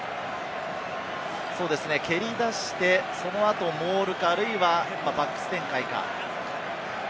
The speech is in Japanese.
そうですね、蹴り出して、その後、モールかあるいはバックス展開か。